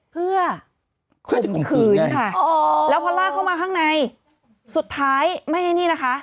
เพื่อคุมขืนค่ะอ๋อแล้วพอลากเข้ามาข้างในสุดท้ายไม่ให้นี่นะคะ